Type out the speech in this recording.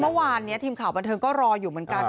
เมื่อวานนี้ทีมข่าวบันเทิงก็รออยู่เหมือนกัน